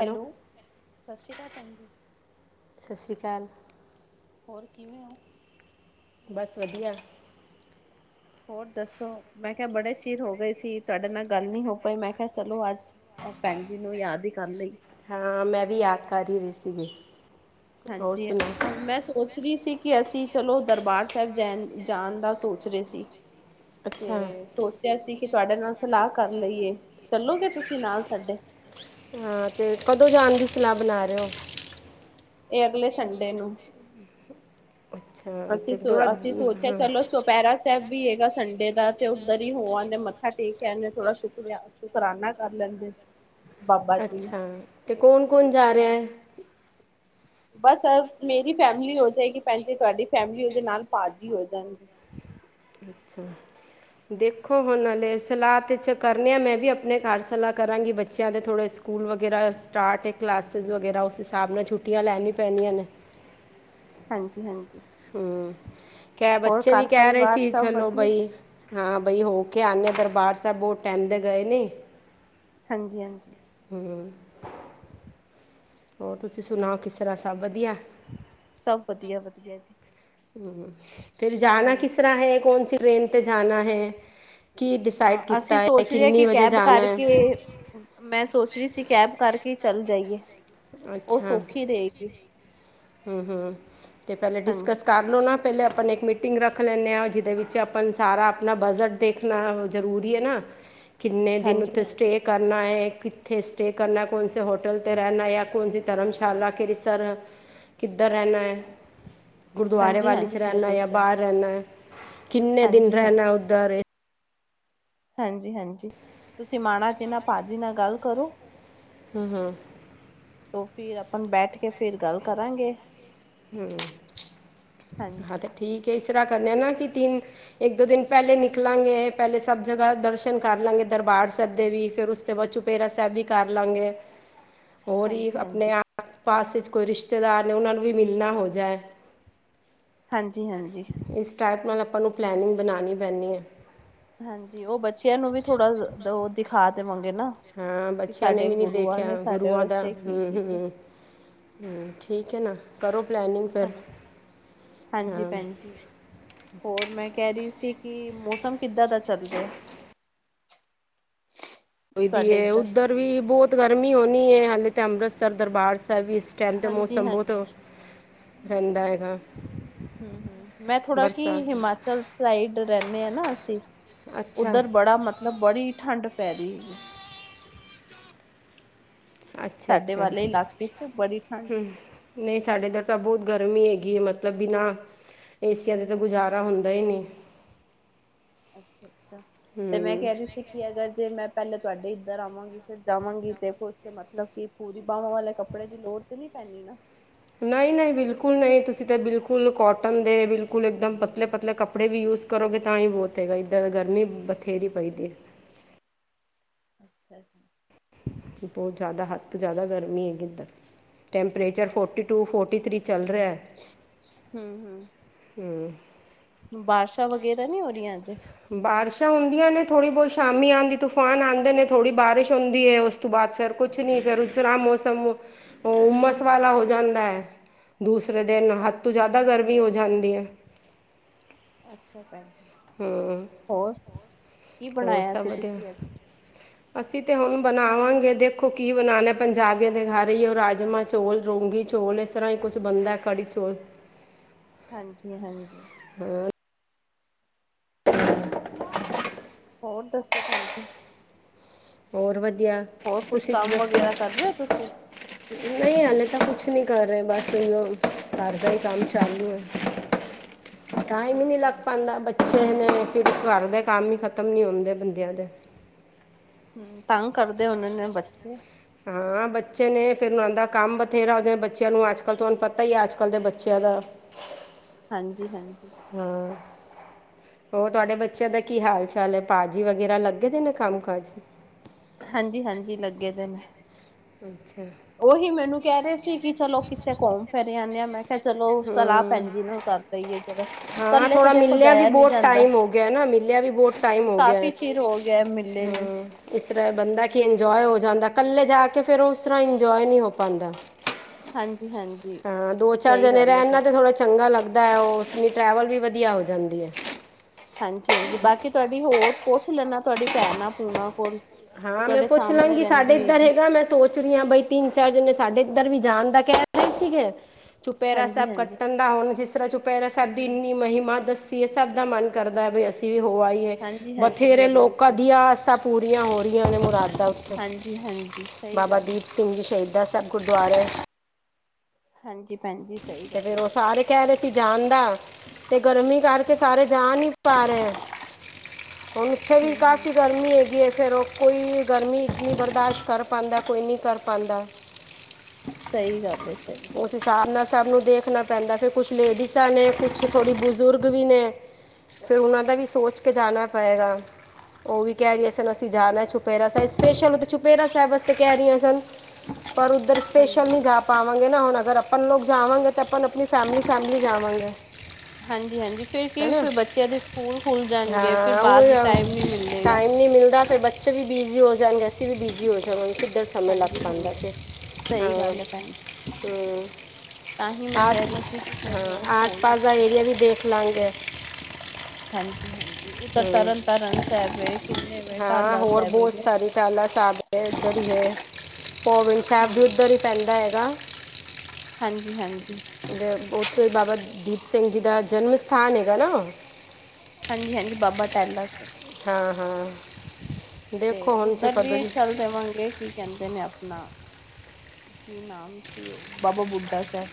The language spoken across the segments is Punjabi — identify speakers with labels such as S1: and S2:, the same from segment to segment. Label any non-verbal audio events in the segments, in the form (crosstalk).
S1: ਹੈਲੋ ਸਤਿ ਸ਼੍ਰੀ ਅਕਾਲ ਭੈਣ ਜੀ
S2: ਸਤਿ ਸ਼੍ਰੀ ਅਕਾਲ
S1: ਹੋਰ ਕਿਵੇਂ ਹੋ
S2: ਬਸ ਵਧੀਆ
S1: ਹੋਰ ਦੱਸੋ ਮੈਂ ਕਿਹਾ ਬੜੇ ਚਿਰ ਹੋ ਗਏ ਸੀ ਤੁਹਾਡੇ ਨਾਲ ਗੱਲ ਨਹੀਂ ਹੋ ਪਾਈ ਮੈਂ ਕਿਹਾ ਚਲੋ ਅੱਜ ਭੈਣ ਜੀ ਨੂੰ ਯਾਦ ਹੀ ਕਰਨ ਲਈ
S2: ਹਾਂ ਮੈਂ ਵੀ ਯਾਦ ਕਰ ਹੀ ਰਹੀ ਸੀ ਵੀ
S1: ਹਾਂਜੀ ਮੈਂ ਸੋਚ ਰੀ ਸੀ ਕਿ ਅਸੀਂ ਚਲੋ ਦਰਬਾਰ ਸਾਹਿਬ ਜਾੈਣ ਜਾਣ ਦਾ ਸੋਚ ਰਹੇ ਸੀ
S2: ਅੱਛਾ
S1: ਤੇ ਸੋਚਿਆ ਸੀ ਕਿ ਤੁਹਾਡੇ ਨਾਲ ਸਲਾਹ ਕਰ ਲਈਏ ਚੱਲੋਗੇ ਤੁਸੀਂ ਨਾਲ ਸਾਡੇ
S2: ਹਾਂ ਤੇ ਕਦੋਂ ਜਾਣ ਦੀ ਸਲਾਹ ਬਣਾ ਰਹੇ ਹੋ।
S1: ਇਹ ਅਗਲੇ ਸੰਡੇ ਨੂੰ।
S2: ਅੱਛਾ
S1: ਅਸੀਂ
S2: ਤੇ
S1: ਸੋ
S2: ਥੋੜਾ
S1: ਅਸੀਂ ਸੋਚਿਆ
S2: ਹਾਂ
S1: ਚਲੋ ਚੁੱ ਪੈਰਾ ਸੈਬ ਵੀ ਹੈਗਾ ਸੰਡੇ ਦਾ ਤੇ ਉੱਧਰ ਹੀ ਹੋਆਨੇ ਮੱਥਾ ਟੇਕ ਆਨੇ ਥੋੜਾ ਸ਼ੁਕਰੀਆ ਸ਼ੁਕਰਾਨਾ ਕਰ ਲੈਂਦੇ। ਬਾਬਾ ਜੀ ਨੂੰ
S2: ਅੱਛਾ ਤੇ ਕੌਣ-ਕੌਣ ਜਾ ਰਿਹਾ
S1: ਹਾਂਜੀ
S2: ਹੈ।
S1: ਬਸ ਮੇਰੀ ਫੈਮਿਲੀ ਹੋ ਜਾਏਗੀ ਭੈਣ ਜੀ ਤੁਹਾਡੀ ਫੈਮਲੀ ਉਹਦੇ ਨਾਲ ਪਾਜੀ ਹੋ ਜਾਣ
S2: ਅੱਛਾ ਦੇਖੋ ਹੋਨ ਹੱਲੇ ਸਲਾਹ ਤੇ ਚ ਕਰਨੇ ਹਾਂ ਮੈਂ ਵੀ ਆਪਣੇ ਘਰ ਸਲਾਹ ਕਰਾਂਗੀ ਬੱਚਿਆਂ ਦੇ ਥੋੜ੍ਹੇ ਸਕੂਲ ਵਗੈਰਾ ਸਟਾਰਟ ਏ। ਕਲਾਸਿਸ ਵਗੈਰਾ ਉਸ ਹਿਸਾਬ ਨਾਲ ਛੁੱਟੀਆਂ ਲੈਣੀਆਂ ਪੈਣੀਆਂ ਨੇ।
S1: ਹਾਂਜੀ-ਹਾਂਜੀ
S2: ਹਮ ਕਹਿ ਬੱਚੇ ਵੀ ਕਹਿ ਰਹੇ
S1: ਪਰਿਵਾਰ
S2: ਸੀ
S1: ਸਭ
S2: ਚਲੋ
S1: ਵਧੀਆ
S2: ਬਈ ਹਾਂ ਬਈ ਹੋ ਕੇ ਆਨੇ ਹਾਂ ਦਰਬਾਰ ਸਾਹਿਬ ਬਹੁਤ ਟਾਈਮ ਦੇ ਗਏ ਨੀ।
S1: ਹਾਂਜੀ-ਹਾਂਜੀ
S2: ਹਮ, ਹੋਰ ਤੁਸੀਂ ਸੁਣਾਓ ਕਿਸ ਤਰ੍ਹਾਂ ਸਭ ਵਧੀਆ।
S1: ਸਭ ਵਧੀਆ-ਵਧੀਆ ਜੀ।
S2: ਹਮ ਤੇ ਜਾਨਾ
S1: ਹਾਂਜੀ।
S2: ਕਿਸ ਤਰ੍ਹਾਂ ਹੈ ਕੌਣਸੀ ਟ੍ਰੇਨ ਤੇੇ ਜਾਨਾ ਹੈ। ਕੀ ਡਿਸਾਈਡ
S1: ਅਸੀਂ
S2: ਕੀਤਾ ਹੈ
S1: ਸੋਚ ਰਹੇ ਹਾਂ ਕਿ
S2: ਕਿੰਨੀ ਵਜੇ
S1: ਕੈਬ
S2: ਜਾਣਾ ਹੈ
S1: ਕਰਕੇ ਮੈਂ ਸੋਚ ਰਹੀ ਸੀ ਕੈਬ ਕਰਕੇ ਚੱਲ ਜਾਈਏ। ਉਹ
S2: ਅੱਛਾ
S1: ਸੌਖੀ ਰਹੇਗੀ।
S2: ਹਮ-ਹਮ ਤੇ ਪਹਿਲੇ
S1: ਹਾਂਜੀ।
S2: ਡਿਸਕਸ ਕਰ ਲਓ ਨਾ ਪਹਿਲੇ ਆਪਨ ਇੱਕ ਮੀਟਿੰਗ ਰੱਖ ਲੈਂਦੇ ਹਾਂ ਜਿਹਦੇ ਵਿੱਚ ਆਪਨ ਸਾਰਾ ਆਪਣਾ ਬਜਟ ਦੇਖਣਾ ਜ਼ਰੂਰੀ ਹੈ ਨਾ। ਕਿੰਨੇ ਦਿਨ
S1: ਹਾਂਜੀ
S2: ਉੱਥੇ
S1: ਹਾਂਜੀ
S2: ਸਟੇ ਕਰਨਾ ਹੈ ਕਿੱਥੇ ਸਟੇ ਕਰਨਾ ਕੌਣਸੇ ਹੋਟਲ ਤੇ ਰਹਿਣਾ ਯਾ ਕੌਣਜ ਧਰਮਸ਼ਾਲਾ ਕਿ ਸਰ ਕਿੱਧਰ ਰਹਨਾ ਹੈ। ਗੁਰਦੁਆਰੇ
S1: ਹਾਂਜੀ
S2: ਵਾਲੀ ਚ
S1: ਹਾਂਜੀ
S2: ਰਹਿਣਾ
S1: ਜ਼ਰੂਰ
S2: ਜਾਂ
S1: ਭੈਣ
S2: ਬਾਹਰ
S1: ਜੀ
S2: ਰਹਿਣਾ ਕਿੰਨੇ ਦਿਨ
S1: ਹਾਂਜੀ
S2: ਰਹਿਣਾ ਉੱਧਰ।
S1: ਹਾਂਜੀ-ਹਾਂਜੀ ਤੁਸੀਂ ਮਾੜਾ ਜਿਨਾ ਭਾ ਜੀ ਨਾਲ ਗੱਲ ਕਰੋ।
S2: ਹਮ ਹਮ
S1: ਤੋਂ ਫਿਰ ਆਪਨ ਬੈਠ ਕੇ ਫਿਰ ਗੱਲ ਕਰਾਂਗੇ।
S2: ਹਮ ਹਾਂ
S1: ਹਾਂਜੀ
S2: ਤੇ ਠੀਕ ਹੈ ਇਸਰਾ ਕਰਨੇ ਆ ਨਾ ਕਿ ਤਿੰਨ ਇੱਕ ਦੋ ਦਿਨ ਪਹਿਲੇ ਨਿਕਲਾਂਗੇ ਪਹਿਲੇ ਸਭ ਜਗਾ ਦਰਸ਼ਨ ਕਰ ਲਾਂਗੇ ਦਰਬਾਰ ਸਾਹਿਬ ਦੇ ਵੀ ਫੇਰ ਉਸ ਤੋਂ ਬਾਅਦ ਚੁੱਪ ਪੇਰਾ ਸੈਬ ਵੀ ਕਰ ਲਾਂਗੇ। ਹੋਰ ਹੀ
S1: ਹਾਂਜੀ ਹਾਂਜੀ।
S2: ਆਪਨੇ ਆਸ ਪਾਸ ਕੋਈ ਰਿਸ਼ਤੇਦਾਰ ਨੇ ਉਹਨਾਂ ਨੂੰ ਵੀ ਮਿਲਨਾ ਹੋ ਜਾਏ।
S1: ਹਾਂਜੀ-ਹਾਂਜੀ
S2: ਇਸ ਟਾਈਪ ਨਾਲ ਆਪਾਂ ਨੂੰ ਪਲੈਨਿੰਗ ਬਣਾਣੀ ਪੈਂਨੀ ਹੈ।
S1: ਹਾਂਜੀ ਉਹ ਬੱਚਿਆਂ ਨੂੰ ਵੀ ਥੋੜਾ ਉਹ ਦਿਖਾ ਦੇਵਾਂਗੇ ਨਾ।
S2: ਹਾਂ
S1: ਕਿ
S2: ਬੱਚਿਆਂ ਨੇ
S1: ਸਾਡੇ
S2: ਵੀ ਨਹੀਂ
S1: ਗੁਰੂਆਂ ਨੇ
S2: ਦੇਖਿਆ
S1: ਸਾਡੇ
S2: ਗੁਰੂਆਂ ਦਾ
S1: ਵਾਸਤੇ ਕੀ
S2: ਹੂੰ,
S1: ਕੀਤਾ
S2: ਹੂੰ ਹੂੰ ਠੀਕ ਹੈ ਨਾ ਕਰੋ ਪਲੈਨਿੰਗ ਫਿਰ
S1: ਹਾਂਜੀ ਹਾਂਜੀ
S2: ਹਾਂ
S1: ਭੈਣ ਜੀ ਹੋਰ ਮੈਂ ਕਹਿ ਰਹੀ ਸੀ ਕਿ ਮੌਸਮ ਕਿੱਦਾਂ ਦਾ ਚੱਲ ਰਿਹਾ।
S2: ਹੋਈ ਦੀ
S1: ਤੁਹਾਡੇ
S2: ਏ
S1: ਇੱਧਰ
S2: ਉੱਧਰ ਵੀ ਬਹੁਤ ਗਰਮੀ ਹੋਣੀ ਹੈ ਹਾਲੇ ਤਾਂ ਅੰਮ੍ਰਿਤਸਰ ਦਰਬਾਰ ਸਾਹਿਬ ਵੀ ਇਸ ਕੈਨ ਦੇ
S1: ਹਾਂਜੀ
S2: ਮੌਸਮ ਬਹੁਤ
S1: ਹਾਂਜੀ
S2: ਰਹਿੰਦਾ ਹੈਗਾ।
S1: ਹਮ-ਹਮ ਮੈਂ ਥੋੜਾ ਕੀ
S2: ਬਰਸਾਤ
S1: ਹਿਮਾਚਲ ਸਾਈਡ ਰਹਿੰਦੇ ਹਾਂ ਨਾ ਅਸੀ।
S2: ਅੱਛਾ
S1: ਉੱਧਰ ਬੜਾ ਮਤਲਬ ਬੜੀ ਠੰਢ ਪੈ ਰਹੀ
S2: ਅੱਛਾ
S1: ਸਾਡੇ
S2: ਅੱਛਾ
S1: ਵਾਲੇ ਇਲਾਕੇ ਚ ਬੜੀ ਠੰਡ
S2: ਹਮ, ਨਹੀਂ ਸਾਡੇ ਤਾ ਇੱਧਰ ਤਾਂ ਬਹੁਤ ਗਰਮੀ ਹੈਗੀ ਹੈ ਮਤਲਬ ਬਿਨਾਂ ਏਸਆ ਦਾ ਤੇ ਗੁਜ਼ਾਰਾ ਹੁੰਦਾ ਹੀ ਨਈ।
S1: ਅੱਛਾ, ਅੱਛਾ ਤੇ ਮੈਂ
S2: ਹਮ,
S1: ਕਹਿ ਰਹੀ ਸੀ। ਕਿ ਅਗਰ ਜੇ ਮੈਂ ਪਹਿਲਾਂ ਤੁਹਾਡੇ ਇੱਧਰ ਆਵਾਂਗੀ। ਫਿਰ ਜਾਵਾਂਗੀ ਤੇ ਕੁਛ ਮਤਲਬ ਕਿ ਪੂਰੀ ਬਾਹਾਂ ਵਾਲੇ ਕੱਪੜੇ ਦੀ ਲੋੜ ਤੇ ਨੀ ਪੈਣੀ ਨਾ?
S2: ਨਹੀਂ, ਨਹੀਂ ਬਿਲਕੁਲ ਨਹੀਂ ਤੁਸੀਂ ਤਾਂ ਬਿਲਕੁਲ ਕੋਟਨ ਦੇ, ਬਿਲਕੁਲ ਇੱਕਦਮ ਪਤਲੇ, ਪਤਲੇ ਕੱਪੜੇ ਵੀ ਯੂ ਕਰੋਗੇ ਤਾਂ ਹੀ ਬਹੁਤ ਹੈਗਾ ਇਦਰ ਗਰਮੀ ਬਥੇਰੀ ਪਈਦੀ ਹੈ।
S1: ਅੱਛਾ ਜੀ।
S2: ਬਹੁਤ ਜ਼ਿਆਦਾ ਹੱਦ ਤੋਂ ਜ਼ਿਆਦਾ ਗਰਮੀ ਹੈਗੀ ਇੱਧਰ। ਟੈਂਪਰੇਚਰ ਫੋਰਟੀ
S1: ਅੱਛਾ-ਅੱਛਾ
S2: ਟੂ, ਫੋਰਟੀ ਥ੍ਰੀ ਚੱਲ ਰਿਹਾ। ਹੂੰ
S1: ਬਾਰਸ਼ਾਂ ਵਗੈਰਾ ਨਹੀਂ ਹੋ ਰਹੀਆਂ ਅੱਜ?
S2: ਬਾਰਿਸ਼ਾਂ ਹੁੰਦੀਆਂ ਨੇ। ਥੜੀ ਬਹੁਤ ਸ਼ਾਮੀ ਆਉਂਦੀ ਤੂਫਾਨ ਆਂਦੇ ਨੇ ਥੋੜੀ ਬਾਰਿਸ਼ ਹੁੰਦੀ ਐ। ਉਸ ਉਸ ਤੋਂ ਬਾਅਦ ਫਿਰ ਕੁਛ ਨੀ ਫਿਰ ਉਸਰਾ ਮੌਸਮ ਹੁਮਸ ਵਾਲਾ ਹੋ ਜਾਂਦਾ ਐ। ਦੂਸਰੇ ਦਿਨ ਹੱਦ ਤੋਂ
S1: ਅੱਛਾ-ਅੱਛਾ।
S2: ਜ਼ਿਆਦਾ
S1: ਅੱਛਾ
S2: ਗਰਮੀ ਹੋ ਜਾਂਦੀ ਐ।
S1: ਅੱਛਾ ਭੈਣ ਜੀ।
S2: ਹੂੰ
S1: ਹੋਰ ਕੀ
S2: ਹੋਰ
S1: ਬਣਾਇਆ
S2: ਸਭ
S1: ਸੀ
S2: ਵਧੀਆ
S1: ਤੁਸੀਂ ਅੱਜ? (unintelligible)
S2: ਅਸੀਂ ਤੇ ਹੁਣ ਬਣਾਵਾਂਗੇ ਦੇਖੋ ਕੀ ਬਣਾਉਣਾ ਪੰਜਾਬੀਆਂ ਦੇ ਘਰ ਹੀ ਉਹ ਰਾਜਮਾ ਚੌਲ ਰੌਗੀ, ਚੌਲ ਇਸ ਤਰ੍ਹਾਂ ਹੀ ਕੁਛ ਬਣਦਾ ਹੈ ਕੜ੍ਹੀ ਚੌਲ।
S1: ਹਾਂਜੀ, ਹਾਂਜੀ ਹੋਰ ਦੱਸੋ ਭੈਣ ਜੀ?
S2: ਹੋਰ ਵਧੀਆ।
S1: ਹੋਰ ਕੁਛ
S2: ਤੁਸੀਂ
S1: ਕੰਮ
S2: ਦੱਸੋ
S1: ਵਗੈਰਾ ਕਰ ਰਹੇ ਹੋ ਤੁਸੀਂ?
S2: ਨਹੀਂ ਅੇ ਤਾਂ ਕੁਛ ਨਹੀਂ ਕਰ ਰਹੇ। ਬਸ ਘਰ ਦਾ ਹੀ ਕੰਮ ਚਾਲੂ ਐ।
S1: (unintelligible)
S2: ਟਾਈਮ ਹੀ ਨੀ ਲੱਗ
S1: ਅੱਛਾ-ਅੱਛਾ।
S2: ਪੈਂਦਾ ਚ ਫੇਰ ਨੇ ਫਿਰ ਘਰ ਦੇ ਕੰਮ ਹੀ ਖਤਮ ਨ ਹੁੰਦੇ ਬੰਦਿਆਂ ਦੇ।
S1: ਹੂੰ ਤੰਗ ਕਰਦੇ ਹੋਨੇ ਨੇ ਬੱਚੇ
S2: ਹਾਂ ਬੱਚੇ ਨੇ ਫਿਰ ਓਨਾਂ ਕੰਮ ਬਥੇਰਾ ਹੋ ਬੱਚਿਆਂ ਨੂੰ ਅੱਜ ਕੱਲ੍ਹ ਤੁਹਾਨੂੰ ਪਤਾ ਹੀ ਆ। ਅੱਜ-ਕੱਲ ਦੇ ਬੱਚਿਆਂ ਦਾ।
S1: ਹਾਂਜੀ, ਹਾਂਜੀ
S2: ਹਾਂ ਹੋਰ ਤੁਹਾਡੇ ਬੱਚਿਆਂ ਦਾ ਕੀ ਹਾਲ ਚਾਲ ਐ? ਭਾਜੀ ਵਗੈਰਾ ਲੱਗੇ ਦੇ ਨੇ ਕੰਮ ਕਾਜ?
S1: ਹਾਂਜੀ, ਹਾਂਜੀ ਲੱਗੇ ਵੇ ਨੇ।
S2: ਅੱਛਾ
S1: ਉਹੀ
S2: ਉਹ
S1: ਮੈਨੂੰ
S2: ਹੀ
S1: ਕਹਿ ਰਹੇ ਸੀ ਕਿ ਚਲੋ ਕਿੱਥੇ ਘੁੰਮ ਫਿਰ ਆਨੇ ਆ। ਮੈਂ ਚਲੋ ਸਲਾਹ ਭੈਣ ਜੀ ਨੂੰ ਕਰ ਲਈਏ, ਜਦ
S2: ਹਾਂ
S1: ਇਕੱਲੇ ਤੇ
S2: ਥੋੜਾ
S1: ਦੇਖੋ
S2: ਮਿਲਿਆ ਵੀ
S1: ਜਾਇਆ ਨਈ
S2: ਬਹੁਤ
S1: ਜਾਂਦਾ।
S2: ਟਾਈਮ ਹੋ ਗਿਆ ਹੈ ਨਾ ਮਿਲਿਆ ਵੀ ਬਹੁਤ ਟਾਈਮ
S1: ਹੂੰ
S2: ਹੋ ਗਿਆ
S1: ਕਾਫੀ
S2: ਹੈ
S1: ਚਿਰ ਹੋ ਗਿਆ ਮੀਲੇ ਨਈ।
S2: ਹਾਂ ਇਸ ਤਰ੍ਹਾਂ ਬੰਦਾ ਕਿ ਇੰਜੋਏ ਹੋ ਜਾਂਦਾ। ਇਕੱਲੇ ਜਾ ਕੇ ਫਿਰ ਉਸ ਤਰ੍ਹਾਂ ਇੰਜੋਏ ਨਹੀਂ ਹੋ ਪਾਦਾਂ।
S1: ਹਾਂਜੀ, ਹਾਂਜੀ
S2: ਦੋ ਚਾਰ
S1: ਸਹੀ
S2: ਜਣੇ
S1: ਗੱਲ ਹੈ
S2: ਰਹਿਣ ਨਾਲ ਤਾਂ
S1: ਤੁਹਾਡੀ
S2: ਥੋੜ੍ਹਾ ਚੰਗਾ ਲੱਗਦਾ ਐ। ਓਨੀ ਟਰੈਵਲ ਵੀ ਵਧੀਆ ਹੋ ਜਾਂਦੀ ਐ।
S1: ਹਾਂਜੀ, ਹਾਂਜੀ ਬਾਕੀ ਤੁਹਾਡੀ ਹੋਰ ਪੁਛ ਲੈਣਾ ਤੁਹਾਡੀ ਭੈਣ ਭੂਣਾ ਕੋਲ। ਉਹ
S2: ਹਾਂ ਮੈਂ
S1: ਤੁਹਾਡੇ
S2: ਪੁੱਛ
S1: ਸਾਹਮਣੇ
S2: ਲਾਂਗੀ ਸਾਡੇ
S1: ਰਹਿੰਦੀ
S2: ਇੱਧਰ
S1: ਹੈਗੀ
S2: ਹੈਗਾ ਮੈਂ ਸੋਚ ਰੀਆਂ ਬਈ ਤਿੰਨ-ਚਾਰ ਜਣੇ ਸਾਡੇ ਇੱਧਰ ਵੀ ਜਾਣ ਦਾ ਕਹਿ ਰਹੇ ਸੀਗੇ। ਚੁਪੈਰਾ
S1: ਹਾਂਜੀ
S2: ਸਾਹਿਬ
S1: ਹਾਂਜੀ
S2: ਕੱਟਣ ਦਾ। ਹੁਣ ਜਿਸ ਤਰ੍ਹਾਂ ਚੁਪਹਿਰਾ
S1: ਹੂੰ
S2: ਸਾਹਿਬ ਦੀ
S1: ਹੂੰ
S2: ਇੰਨੀ ਮਹਿਮਾ ਦੱਸੀ ਇਹ ਸਭ ਦਾ ਮਨ ਕਰਦਾ ਹੈ ਬੀ ਅਸੀਂ ਵੀ ਹੋ ਆਈਏ
S1: ਹਾਂਜੀ ਹਾਂਜੀ
S2: ਬਥੇਰੇ
S1: ਜ਼ਰੂਰ
S2: ਲੋਕਾਂ
S1: ਜੀ
S2: ਦੀਆ ਆਸਾ ਪੂਰੀਆਂ ਹੋ ਰਹੀਆਂ ਨੇ ਮੁਰਾਦਾਂ ਓਥੇ
S1: ਹਾਂਜੀ ਹਾਂਜੀ ਸਹੀ
S2: ਬਾਬਾ
S1: ਗੱਲ ਹੈ
S2: ਦੀਪ ਸਿੰਘ ਜੀ ਸ਼ਹੀਦਾਂ ਸਾਹਿਬ ਗੁਰਦੁਆਰੇ
S1: ਹਾਂਜੀ ਭੈਣ ਜੀ ਸਹੀ
S2: ਤੇ
S1: ਗੱਲ ਐ।
S2: ਫਿਰ ਉਹ ਸਾਰੇ ਕਹਿ ਰਹੇ ਸੀ ਜਾਣ ਦਾ। ਤੇ ਗਰਮੀ ਕਰਕੇ ਸਾਰੇ ਜਾ ਨੀ ਪਾ ਰਏ।
S1: (unintelligible)
S2: ਹੁਣ ਉਥੇ ਵੀ
S1: ਹੂੰ ਹੂੰ
S2: ਕਾਫ਼ੀ ਗਰਮੀ ਗਰਮੀ ਹੈਗੀ ਹੈ ਫਿਰ ਉਹ ਕੋਈ ਗਰਮੀ ਇੰਨੀ ਬਰਦਾਸ਼ਤ ਕਰ ਪਾਉਂਦਾ ਕੋਈ ਨਹੀਂ ਕਰ ਪਾਉਂਦਾ
S1: ਸਹੀ ਗੱਲ ਏ ਸਹੀ
S2: ਉਸ ਹਿਸਾਬ ਨਾਲ ਸਭ ਨੂੰ ਦੇਖਣਾ ਪੈਂਦਾ ਫਿਰ ਕੁਛ ਲੇਡੀਜ਼ਾਂ ਨੇ ਕੁਛ ਥੋੜੀ ਬਜ਼ੁਰਗ ਵੀ ਨੇ ਫਿਰ ਉਹਨਾਂ ਦਾ ਵੀ ਸੋਚ ਕੇ ਜਾਣਾ ਪਏਗਾ ਉਹ ਵੀ ਕਹਿ ਰਹੀਆਂ ਸਨ ਅਸੀਂ ਜਾਣਾ ਚੁਪੈਰਾ ਸਾਹਿਬ ਸਪੈਸ਼ਲ ਉ ਤੇ ਚੁਪੈਰਾ ਸਾਹਿਬ ਵਾਸਤੇ ਕਹਿ ਰਹੀਆਂ ਸਨ ਚੁਪੈਰਾ ਸਾਹਿਬ ਚੁਪੈਰਾ ਪਰ ਉੱਧਰ ਸਪੈਸ਼ਲ
S1: ਹਾਂਜੀ
S2: ਨਹੀਂ
S1: ਹਾਂਜੀ
S2: ਜਾ ਵਾਂਗੇ ਨਾ ਹੁਣ ਅਗਰ ਆਪਾਂ ਲੋਕ ਜਾਵਾਂਗੇ ਤਾਂ ਆਪ ਆਪਣੀ ਫੈਮਲੀ-ਫੈਮਲੀ ਜਾਵਾਂਗੇ
S1: ਹਾਂਜੀ-ਹਾਂਜੀ ਫਿਰ ਕੀ
S2: ਨਾ
S1: ਫਿਰ ਬੱਚਿਆਂ ਦੇ ਸਕੂਲ ਖੁੱਲ ਜਾਣਗੇ ਫਿਰ
S2: ਹਾਂ ਉਹ
S1: ਬਾਅਦ ਦੀ ਟਾਈਮ ਨਹੀਂ ਮਿਲੇ
S2: ਟਾਈਮ ਨੀ ਮਿਲਦਾ ਫਿਰ ਬੱਚੇ ਵੀ ਬਿਜ਼ੀ ਹੋ ਜਾਣਗੇ ਅਸੀੇ ਵੀ ਬਿਜ਼ੀ ਹੋ ਜਾਵਾਂਗੇ ਫਿਰ ਸਮੇਂ ਲੱਗ ਪੈਂਦਾ
S1: ਹਾਂਜੀ-ਹਾਂਜੀ
S2: ਜੇ
S1: ਸਹੀ ਗੱਲ ਹੈ ਭੈਣ ਜੀ
S2: ਹੂ
S1: ਤਾਂ ਹੀ ਮੈਂ ਕਹਿ ਰਹੀ ਸੀ ਕਿ ਚਲੋ
S2: ਆਸ
S1: ਹੋ ਹੀ
S2: ਪਾਸ ਦਾ
S1: ਆਂਦੇ
S2: ਏਰੀਆ ਵੀ ਦੇਖ ਲੰਗਰ
S1: ਹਾਂਜੀ-ਹਾਂਜੀ ਉੱਧਰ ਤਰਨ ਤਾਰਨ ਸਾਹਿਬ ਹੈ ਕਿੰਨੇ ਵੇ ਟਾਲਾ ਸਾਹਿਬ ਹੈਗੇ
S2: ਟਾਹਲਾ ਸਾਹਿਬ ਉਧਰ ਹੈ ਪੋਵਿੰਦ ਸਾਹਿਬ ਵੀ
S1: ਹੂੰ
S2: ਉੱਧਰ ਹੀ ਪੈਂਦਾ ਹੈ ਹਾਂ
S1: ਹਾਂਜੀ-ਹਾਂਜੀ
S2: ਉੱਥੇ ਬਾਬਾ ਦੀਪ ਸਿੰਘ ਜੀ ਦਾ ਜਨਮ ਸਥਾਨ ਹੈਗਾ ਨਾ
S1: ਹਾਂਜੀ-ਹਾਂਜੀ ਬਾਬਾ ਟੈਹਲਾ ਦੇ
S2: ਹਾਂ-ਹਾਂ
S1: ਤੇ ਉੱਧਰ ਵੀ ਇਹ ਚੱਲ ਦੇਵਾਂਗੇ ਕੀ ਕਹਿੰਦੇ ਨੇ ਆਪਣਾ ਕੀ ਨਾਮ ਸੀ ਉਹ ਬਾਬਾ ਬੁੱਢਾ ਸਾਹਿਬ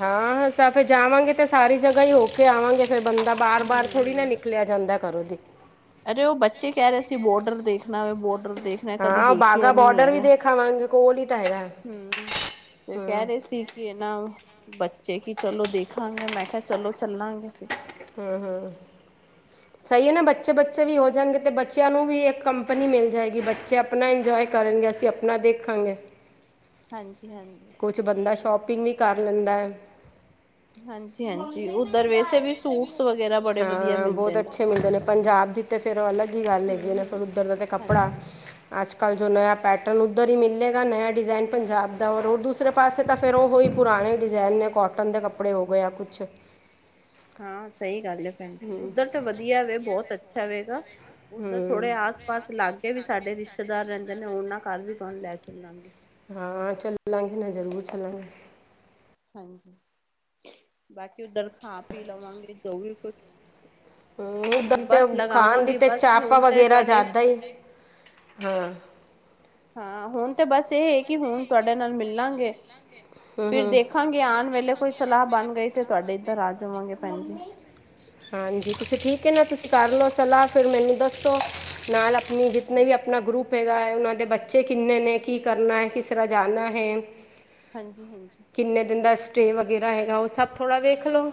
S2: ਹਾਂ ਸਬ ਜਾਵਾਂਗੇ ਤੇ ਸਾਰੀ ਜਗਾ ਹੀ ਹੋ ਕੇ ਆਵਾਂਗੇ ਫਿਰ ਬਦਾ ਬਾਰ ਬਾਰ ਥੋੜੀ ਨਾ
S1: ਹੂੰ-ਹੂੰ
S2: ਨਿਕਲਿਆ ਜਾਂਦਾ ਘਰੋਂ ਦੀ ਅਰੇ ਉਹ ਬੱਚੇ
S1: ਸੀ
S2: ਕਹਿ ਰਹੇ ਸੀਗੇ
S1: ਬੋਡਰ ਦੇਖਣਾ
S2: ਬਾਰਡਰ
S1: ਵੇ ਬੋਡਰ
S2: ਦੇਖਣਾ
S1: ਕਦੀ
S2: ਹਾਂ
S1: ਦੇਖਿਆ
S2: ਬਾਗਾ
S1: ਨੀ
S2: ਬੋਰਡਰ ਵੀ
S1: ਹੈਗਾ
S2: ਦੇਖਾਵਾਂਗੇ ਕੋਲ ਹੀ ਤਾਂ ਹੈਗਾ ਹੈ
S1: ਹੂੰ ਤੇ ਕਹਿ ਰਹੇ ਸੀ ਕਿ ਇਹ ਨਾ ਬੱਚੇ ਕੀ ਚਲੋ ਦੇਖਾਂਗੇ ਮੈਂ ਕਿਹਾ ਚਲੋ ਚੱਲਾਂਗੇ ਫਿਰ
S2: ਹਾਂ-ਹਾਂ ਸਹੀ ਹੈ ਨਾ ਬੱਚੇ-ਬੱਚੇ ਵੀ ਹੋ ਜਾਣਗੇ ਤੇ ਬੱਚਿਆਂ ਨੂੰ ਵੀ ਇੱਕ ਕੰਪਨੀ ਮਿਲ ਜਾਏਗੀ ਬਈ ਬੱਚੇ ਆਪਣਾ ਇੰਜੋਏ ਕਰਨਗੇ ਅਸੀਂ ਆਪਣਾ ਦੇਖਾਂਗੇ
S1: ਹਾਂਜੀ-ਹਾਂਜੀ
S2: ਕੁਛ ਬੰਦਾ ਸ਼ੋਪਿੰਗ ਵੀ ਕਰ ਲੈਂਦਾ
S1: ਹਾਂਜੀ ਹਾਂਜੀ ਉੱਧਰ ਵੈਸੇ ਵੀ ਸੂਟਸ ਵਗੈਰਾ ਬੜੇ ਵਧੀਆ
S2: ਹਾਂ ਬਹੁਤ
S1: ਮਿਲਦੇ ਨੇ
S2: ਅੱਛੇ ਮਿਲਦੇ ਨੇ ਪੰਜਾਬ ਦੀ ਤੇ ਫਿਰ ਅਲੱਗ ਹੀ ਗੱਲ ਹੈਗੀ
S1: ਹਮ
S2: ਨਾ ਫਿਰ
S1: ਹਮ
S2: ਉੱਧਰ ਦਾ ਤੇ ਕੱਪੜਾ
S1: ਹਾਂਜੀ
S2: ਅੱਜ ਕੱਲ ਜੋ ਨਆ ਪੈਟਰਨ ਉੱਧਰ ਹੀ ਮਿਲੇਗਾ ਨਆ ਡਿਜ਼ਾਇਨ ਪੰਜਾਬ ਦਾ ਔਰ ਦੂਸਰੇ ਪਾਸੇ ਤਾਂ ਫਿਰ ਉਹ ਹੀ ਪੁਰਾਣੇ ਡਿਜ਼ਾਇਨ ਨੇ ਕੋਟਨ ਦੇ ਕੱਪੜੇ ਹੋ ਗਏ ਆ ਕੁਛ
S1: ਹਾਂ ਸਹੀ ਗੱਲ ਹੈ ਭੈਣ ਜੀ ਉੱਧਰ ਤਾਂ ਵਧੀਆ ਵੇ ਬਹੁਤ ਅੱਛਾ ਰਵੇਗਾ ਉੱਧਰ
S2: ਹੂੰ
S1: ਥੋੜੇ ਆਸ ਪਾਸ ਲਾਗੇ ਵੀ ਸਾਡੇ ਰਿਸ਼ਤੇਦਾਰ ਰਹਿੰਦੇ ਨੇ ਉਹਨਾਂ ਘਰ ਵੀ ਤੁਹਾਨੂੰ ਲੈ ਚੱਲਾਂਗੀ
S2: ਹਾਂ ਚੱਲਾਂਗੇ ਨਾ ਜ਼ਰੂਰ ਚਲਾਂਗੇ
S1: ਹਾਂਜੀ ਬਾਕੀ ਉਧਰ ਖਾ ਪੀਹ ਲਵਾਂਗੇ ਜੋ ਵੀ ਕੁਛ
S2: ਹਾਂ ਉੱਦਰ ਤੇ
S1: ਬਸ
S2: ਖਾਨ ਦੀ
S1: ਲਗਾਵਾਂਗੇ
S2: ਤੇ
S1: ਬਸ
S2: ਚੰਪਾ
S1: ਹੁਣ ਤੇ
S2: ਵਗੈਰਾ
S1: ਤੁਹਾਡੇ
S2: ਜ਼ਾਦਾ ਈ ਹਾਂ
S1: ਹਾਂ ਹੁਨ ਤੇ ਬਸ ਇਹ ਹੈ ਕਿ ਹੁਨ ਤੁਆਡੇ ਨਾਲ ਮਿਲਾਂਗੇ।
S2: ਹੂੰ
S1: ਫਿਰ
S2: ਹੂੰ
S1: ਦੇਖਾਂਗੇ ਆਣ ਵੇਲੇ ਕੋਈ ਸਲਾਹ ਬਾਨ ਗਈ ਤੇ ਤੁਆਡੇ ਇੱਦਰ ਆ ਜਾਵਾਂਗੇ ਭੈਣ ਜੀ
S2: ਹਾਂਜੀ ਤੁਸੀ ਠੀਕ ਹੈ ਨਾ ਤੁਸੀਂ ਕਰ ਲੋ ਸਲਾਹ ਫੇਰ ਮੈਨੂੰ ਦੱਸੋ ਨਾਲ ਆਪਣੀ ਜਿਤਨੇ ਵੀ ਆਪ ਆਪਨਾ ਗਰੁੱਪ ਹੈਗਾ ਹੈ, ਉਹਨਾਂ ਦੇ ਬੱਚੇ ਕਿੰਨੇ ਨੇ? ਕੀ ਕਰਨਾ ਹੈ? ਕਿਸ ਤਰ੍ਹਾਂ ਜਾਨਾ ਹੈ?
S1: ਹਾਂਜੀ -ਹਾਂਜੀ।
S2: ਕਿੰਨੇ ਦਿਨ ਦਾ ਸਟੇਅ ਵਗੈਰਾ ਹੈਗਾ ਉ ਸਭ ਥੋੜਾ ਵੇਖ ਲੋ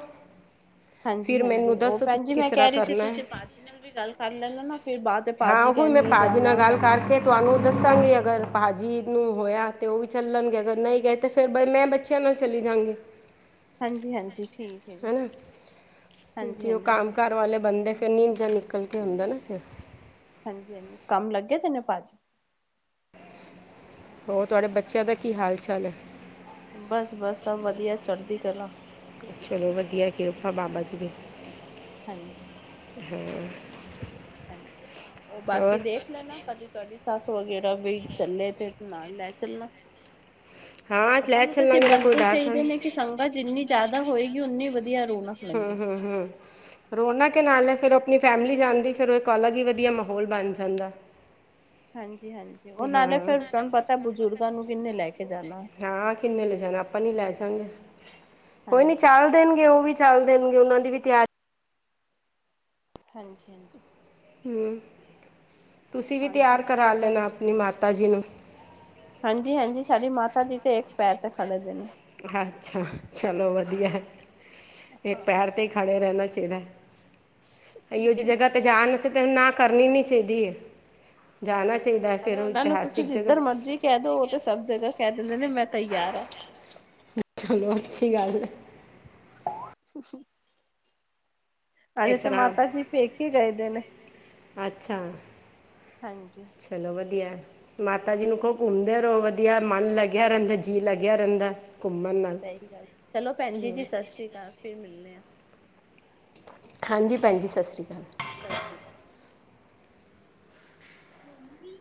S1: ਹਾਂਜੀ- ਹਾਂਜੀ, ਉ ਭੈਣ
S2: ਤੁਸੀਂ
S1: ਜੀ
S2: ਕਿਸ
S1: ਮੈਂ
S2: ਤਰ੍ਹਾਂ
S1: ਕਹਿ ਰਹੀ ਸੀ
S2: ਕਰਨਾ
S1: ਤੁਸੀਂ
S2: ਹੈ
S1: ਭਾਜੀ ਨਾਲ ਵੀ ਗੱਲ ਕਰ ਲੈਨਾ ਨਾ ਫਿਰ ਬਾਅਦ
S2: ਹਾਂ
S1: ਭਾਜੀ
S2: ਉਹ
S1: ਕਹਿਣ
S2: ਮੈਂ
S1: ਨੀ
S2: ਭਾਜੀ ਨਾਲ
S1: ਜਾਣਾ
S2: ਗੱਲ
S1: ਕਰਨਾ
S2: ਕਰਕੇ ਤੁਹਾਨੂੰ ਦੱਸਾਂਗੇ ਅਗਰ ਭਾਜੀ ਨੂੰ ਹੋਇਆ ਤੇ ਉ ਵੀ ਚੱਲਣਗੇ ਅਗਰ ਨਈ ਗਏ ਤੇ ਫਿਰ ਫਿਰ ਬ ਮੈਂ ਬੱਚਿਆਂ ਨਾਲ ਚਲੀ ਜਾਂਗੀ
S1: ਹਾਂਜੀ-ਹਾਂਜੀ ਠੀਕ ਹੈ ਜੀ।
S2: ਹੈਨਾ
S1: ਹਾਂਜੀ
S2: ਕਿਉਂਕਿ ਉ
S1: ਹਾਂਜੀ
S2: ਕੰਮ ਕਾਰ ਵਾਲੇ ਬੰਦੇ ਫਿਰ ਨੀਜ ਨਿਕਲ ਕੇ ਹੁੰਦਾ ਨਾ ਫਿਰ
S1: ਹਾਂਜੀ ਹਾਂਜੀ, ਕੰਮ ਲੱਗੇ ਦੇਨੇ ਪਾਜੀ
S2: ਹੋਰ ਤੁਆਡੇ ਬੱਚੇਆਂ ਦਾ ਕੀ ਹਾਲ ਚਾਲ ਏ?
S1: ਬਸ-ਬਸ, ਸਭ ਵਦੀਆ ਚੜ੍ਹਦੀ ਕਲਾ।
S2: ਚਲੋ ਵਦੀਆ ਕਿਰਪਾ ਬਾਬਾ ਜੀ ਦੀ।
S1: ਹਾਂਜੀ।
S2: ਹੂੰ
S1: ਹਾਂਜੀ ਉ ਬਾਕੀ ਦੇਖ ਲੈਨਾ ਕਦੀ ਤੁਆਡੀ ਸਾਸ ਵਗੈਰਾ ਬਈ ਚੱਲੇ ਤੇ ਨਾਲ ਲੈ ਚੱਲਣਾ
S2: ਹਾਂ
S1: ਆਪਨ
S2: ਲੈ
S1: ਨੂੰ ਤੇ ਸਿਫ
S2: ਚੱਲਾਂਗੇ ਨਾ ਕੋਈ
S1: ਬੰਦੇ
S2: ਡਰ
S1: ਚਾਈਦੇ
S2: ਥੋੜ੍ਹੀ
S1: ਨੇ ਕਿ ਸੰਗਤ ਜਿੰਨੀ ਜ਼ਿਆਦਾ ਹੋਏਗੀ ਉੱਨੀ ਵਦੀ ਦੀਆਂ ਰੌਣਕ ਲਗੇ
S2: ਹੂੰ ਰੋਨਕ ਕੇ ਨਾਲੇ ਫੇਰ ਉ ਆਪਨੀ ਫੈਮਿਲੀ ਜਾਂਦੀ ਫਿਰ ਉ ਇੱਕ ਅਲੱਗ ਹੀ ਵਦੀਆ ਮਾਹੌਲ ਬਨ ਜਾਂਦਾ।
S1: ਹਾਂਜੀ- ਹਾਂਜੀ, ਉਹ ਨਾਲੇ
S2: ਹਾਂ
S1: ਫੇਰ ਤੁਆਨੂੰ ਪਤਾ ਬੁਜ਼ੁਰਗਾਂ ਨੂੰ ਕਿੰਨੇ ਲੈ ਕੇ ਜਾਨਾ?
S2: ਹਾਂ ਕਿੰਨੇ ਲੈ ਜਾਣਾ ਆਪਨ ਹੀ ਲੈ ਜਾਂਗੇ। ਕੋਈ ਨੀ
S1: ਹਾਂਜੀ।
S2: ਚੱਲ ਦੇਨਗੇ ਉ ਵੀ ਚੱਲ ਦੇਨਗੇ ਉਨਾਂ ਦੀ ਵੀ ਤਿਆਰੀ
S1: ਹਾਂਜੀ-ਹਾਂਜੀ
S2: ਹੁੰ ਤੁਸੀਂ ਵੀ
S1: ਹਾਂਜੀ
S2: ਤਿਆਰ ਕਰਾ
S1: ਠੀਕ ਆ
S2: ਲੈਨਾ ਆਪਨੀ ਮਾਤਾ ਜੀ ਨੂੰ।
S1: ਹਾਂਜੀ ਹਾਂਜੀ ਸਾਡੀ ਮਾਤਾ ਜੀ ਤੇ ਇੱਕ ਪੈਰ ਤੇ ਖੜੇ ਦੇ ਨੇ।
S2: ਅੱਛਾ, ਚਲੋ ਵਦੀਆ ਇੱਕ
S1: ਹਾਂ।
S2: ਪੈਰ ਤੇ ਈ ਖੜੇ ਰੈਨਾ ਚੀਦਾ ਏ। ਅਇਓ ਜੀ ਜਗਾ ਤੇ ਜਾਣ ਆਸੇ ਤੇ ਨਾ ਕਰਨੀ ਨੀ ਚਾਈਦੀ। ਜਾਨਾ ਚਾਈਦਾ ਹੈ ਫੇਰ ਉਹ ਇਤਿਹਾਸਿਕ ਜਗ੍ਹਾ
S1: ਕੇ ਦੋ ਉ ਤੇ ਸਭ ਜਗ੍ਹਾ ਕਹਿ ਦਿੰਦੇ ਨੇ ਮੈਂ ਤਯਾਰ ਆ
S2: ਚਲੋ ਅੱਛੀ ਗੱਲ ਹੈ।
S1: (unintelligible) ਹਜੇ
S2: ਇਸ
S1: ਤੇ ਮਾਤਾ
S2: ਤਰ੍ਹਾਂ
S1: ਜੀ ਪੇਕੇ ਗਏ ਦੇ ਨੇ।
S2: ਅੱਛਾ
S1: ਹਾਂਜੀ
S2: ਚਲੋ ਵਦੀਆ ਏ। ਮਾਤਾ ਜੀ ਨੂੰ ਖੋ ਘੁੰਮਦੇ ਰੋ ਵਦੀਆ ਮਨ ਲੱਗੇਆ ਰੇਂਦਾ ਜੀਅ ਲੱਗਿਆ ਰੇਨਦਾ
S1: ਸਈ ਗੱਲ ਚਲੋ ਭੈਣ ਜੀ ਜੀ ਸਤਿ ਸ੍ਰੀ ਅਕਾਲ ਫਿਰ ਮਿਲਨੇ ਆ।
S2: ਹਾਂਜੀ, ਭੈਣ ਜੀ ਸਤਿ ਸ਼੍ਰੀ ਅਕਾਲ
S1: ਸਤਿ ਸ਼੍ਰੀ ਅਕਾਲ। ਮੰਮੀ